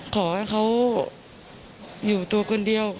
ขอให้เขาอยู่ตัวคนเดียว